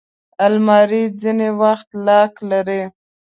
الماري ځینې وخت لاک لري